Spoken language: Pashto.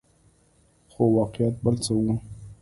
خو واقعیت بل څه وو.